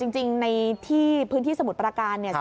จริงในพื้นที่สมุทรประการ